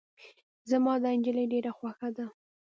زما دا نجلی ډیره خوښه ده.